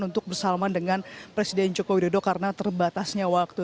untuk bersalaman dengan presiden joko widodo karena terbatasnya waktu